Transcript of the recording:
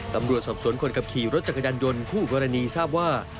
ตำรวจสอบสวนคนขับขี่รถจักรยานยนต์คู่กรณีทราบว่า